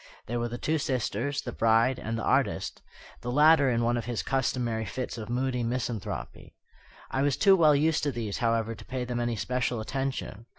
There were the two sisters, the bride, and the artist the latter in one of his customary fits of moody misanthropy. I was too well used to these, however, to pay them any special attention.